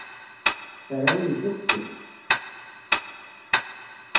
Ferɛun idduqes-d.